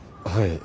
はい。